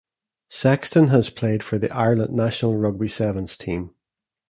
Sexton has played for the Ireland national rugby sevens team.